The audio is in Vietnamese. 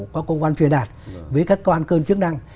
các cơ quan truyền đạt với các toàn cơn chức năng